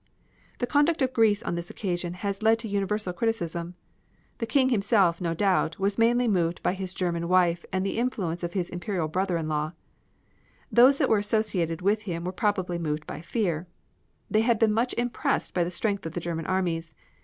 The conduct of Greece on this occasion has led to universal criticism. The King himself, no doubt, was mainly moved by his German wife and the influence of his Imperial brother in law. Those that were associated with him were probably moved by fear. They had been much impressed by the strength of the German armies.